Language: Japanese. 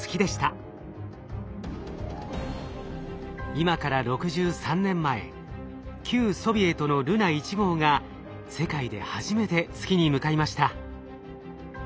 今から６３年前旧ソビエトのルナ１号が世界で初めて月に向かいました。